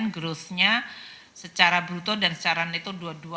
growth nya secara bruto dan secara neto dua puluh dua lima